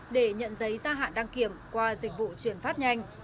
để nhận giấy gia hạn đăng kiểm qua dịch vụ chuyển phát nhanh